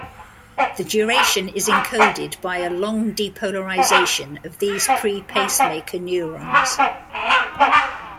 The duration is encoded by a long depolarization of these pre-pacemaker neurons.